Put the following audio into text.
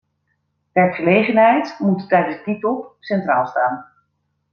Werkgelegenheid moet tijdens die top centraal staan.